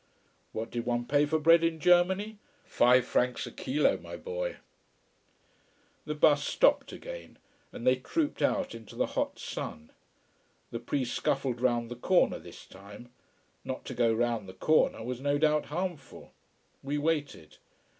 What did one pay for bread in Germany? Five francs a kilo, my boy. The bus stopped again, and they trooped out into the hot sun. The priest scuffled round the corner this time. Not to go round the corner was no doubt harmful. We waited.